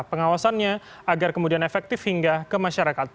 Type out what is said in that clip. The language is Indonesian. pengawasannya agar kemudian efektif hingga ke masyarakat